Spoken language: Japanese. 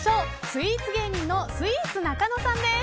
スイーツ芸人のスイーツなかのさんです。